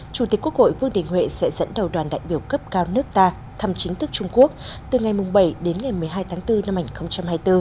chủ tịch quốc hội vương đình huệ sẽ dẫn đầu đoàn đại biểu cấp cao nước ta thăm chính thức trung quốc từ ngày bảy đến ngày một mươi hai tháng bốn năm hai nghìn hai mươi bốn